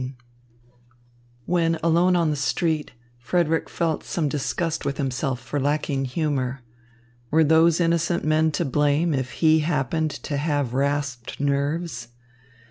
XIII When alone on the street, Frederick felt some disgust with himself for lacking humour. Were those innocent men to blame if he happened to have rasped nerves?